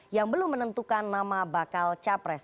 yang belum menentukan nama bakal capres